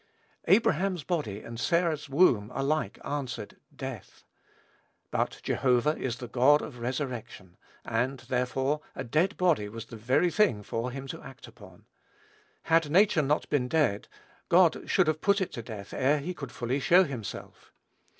Abraham's body and Sarah's womb alike answered "death." But Jehovah is the God of resurrection, and, therefore, a "dead body" was the very thing for him to act upon. Had nature not been dead, God should have put it to death ere he could fully show himself.